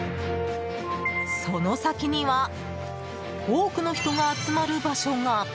その先には多くの人が集まる場所が。